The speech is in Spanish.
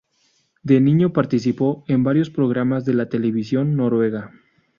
De niño, participó en varios programas de la televisión noruega.